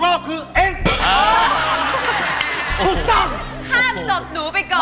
ห้ามจบหนูไปก่อน